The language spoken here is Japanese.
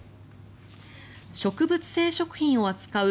植物性食品を扱う